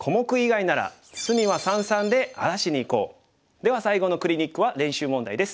では最後のクリニックは練習問題です。